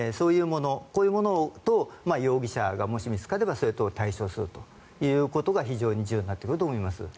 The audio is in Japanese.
そういうものと容疑者がもし見つかればそれと対照するということが非常に重要になってくると思います。